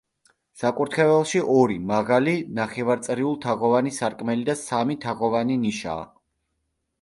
საკურთხეველში ორი, მაღალი, ნახევარწრიულ თაღოვანი სარკმელი და სამი, თაღოვანი ნიშაა.